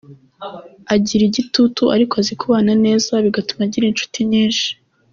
Agira igitugu ariko azi kubana neza, bigatuma agira inshuti nyinshi.